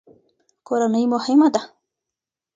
کورنۍ مهمه ده.